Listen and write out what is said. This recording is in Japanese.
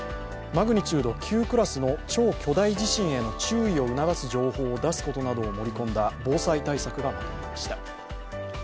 マグニチュード９の超巨大地震への注意を促す条項を出すことなどを盛り込んだ防災対策がまとまりました。